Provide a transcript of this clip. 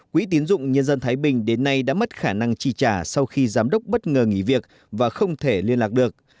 quỹ tiến dụng nhân dân thái bình đến nay đã mất khả năng chi trả sau khi giám đốc bất ngờ nghỉ việc và không thể liên lạc được